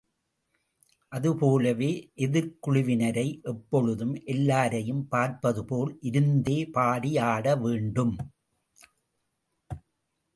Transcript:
அதுபோலவே, எதிர்க்குழுவினரை எப்பொழுதும் எல்லாரையும் பார்ப்பது போல் இருந்தே பாடி ஆட வேண்டும்.